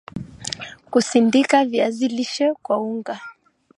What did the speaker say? kusindika viazi lishe kuwa unga